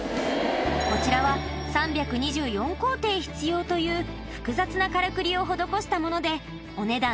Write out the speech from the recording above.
こちらは３２４工程必要という複雑なからくりを施したものでお値段